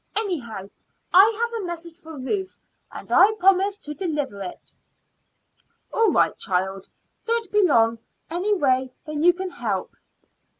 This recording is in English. Anyhow, I have a message for Ruth and I promised to deliver it." "All right, child; don't be longer away than you can help."